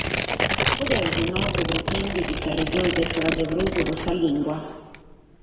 Podimus, nois, pretèndere chi sa Regione fatzat de prus pro sa limba?